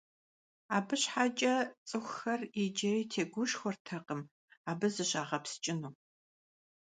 Abı şheç'e ts'ıxuxer yicıri têguşşxuertekhım abı zışağepsç'ınu.